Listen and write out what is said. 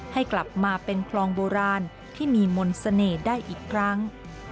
ให้กลับมาเป็นคลองโบราณที่มีมนต์เสน่ห์ได้อีกครั้ง